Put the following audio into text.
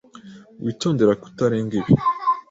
Witondere kutarenga ibi.